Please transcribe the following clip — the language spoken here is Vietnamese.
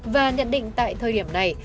và nhận định tại thời điểm này